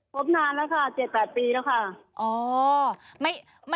บนานแล้วค่ะ๗๘ปีแล้วค่ะ